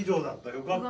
よかった。